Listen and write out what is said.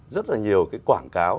rất là nhiều cái quảng cáo